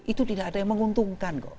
itu tidak ada yang menguntungkan kok